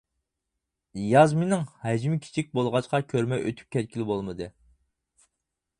يازمىنىڭ ھەجمى كىچىك بولغاچقا كۆرمەي ئۆتۈپ كەتكىلى بولمىدى.